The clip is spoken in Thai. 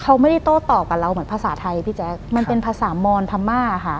เขาไม่ได้โต้ตอบกับเราเหมือนภาษาไทยพี่แจ๊คมันเป็นภาษามอนพม่าค่ะ